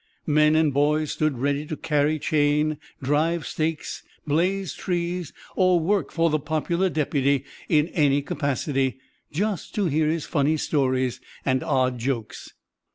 Men and boys stood ready to "carry chain," drive stakes, blaze trees, or work for the popular deputy in any capacity just to hear his funny stories and odd jokes.